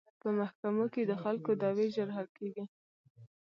په محکمو کې د خلکو دعوې ژر حل کیږي.